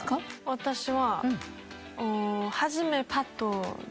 私は。